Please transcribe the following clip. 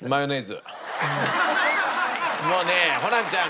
もうねホランちゃん